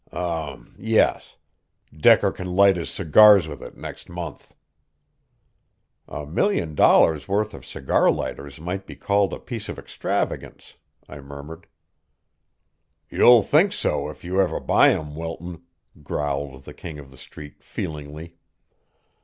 "Um, yes. Decker can light his cigars with it next month." "A million dollars' worth of cigar lighters might be called a piece of extravagance," I murmured. "You'll think so if you ever buy 'em, Wilton," growled the King of the Street feelingly.